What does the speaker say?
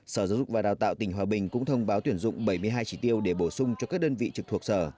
sở giáo dục và đào tạo tỉnh hòa bình cũng thông báo tuyển dụng bảy mươi hai chỉ tiêu để bổ sung cho các đơn vị trực thuộc sở